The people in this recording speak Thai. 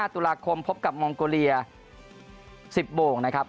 ตุลาคมพบกับมองโกเลีย๑๐โมงนะครับ